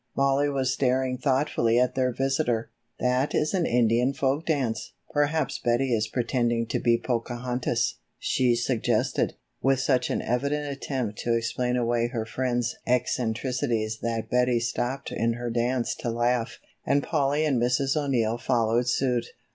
Mollie was staring thoughtfully at their visitor. "That is an Indian folk dance; perhaps Betty is pretending to be Pocahontas," she suggested, with such an evident attempt to explain away her friend's eccentricities that Betty stopped in her dance to laugh, and Polly and Mrs. O'Neill followed suit.